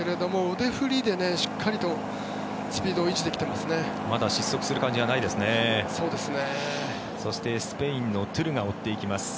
腕振りでしっかりとスピードを維持できてますね。